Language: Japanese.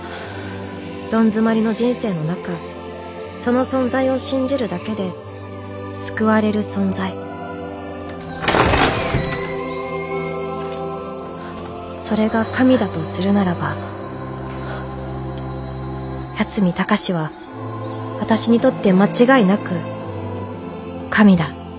どん詰まりの人生の中その存在を信じるだけで救われる存在それが神だとするならば八海崇は私にとって間違いなく神だ